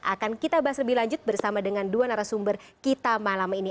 akan kita bahas lebih lanjut bersama dengan dua narasumber kita malam ini